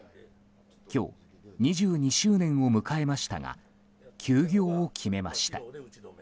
今日、２２周年を迎えましたが休業を決めました。